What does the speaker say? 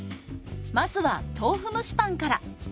まずは豆腐蒸しパンから。